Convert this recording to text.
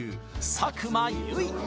佐久間由衣